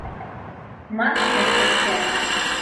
Марш мәктәпкә!